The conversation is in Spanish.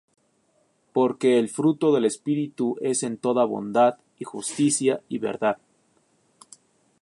Porque el fruto del Espíritu es en toda bondad, y justicia, y verdad;